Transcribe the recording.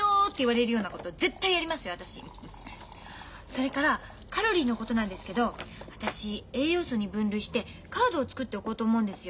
それからカロリーのことなんですけど私栄養素に分類してカードを作っておこうと思うんですよ。